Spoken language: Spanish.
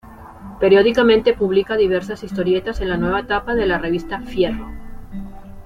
Periódicamente publica diversas historietas en la nueva etapa de la revista "Fierro".